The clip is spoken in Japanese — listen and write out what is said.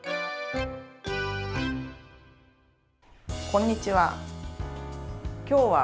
こんにちは。